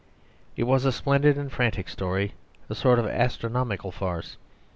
It was a splendid and frantic story, a sort of astronomical farce.